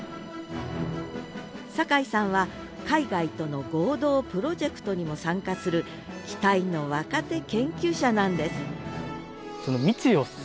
酒井さんは海外との合同プロジェクトにも参加する期待の若手研究者なんです